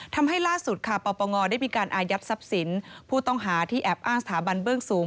ทำให้ล่าสุดค่ะปปงได้มีการอายัดทรัพย์สินผู้ต้องหาที่แอบอ้างสถาบันเบื้องสูง